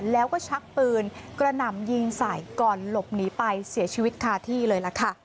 แล้วก็ชักปืนกระหน่ำยิงใส่ก่อนหลบหนีไปเสียชีวิตคาที่เลยล่ะค่ะ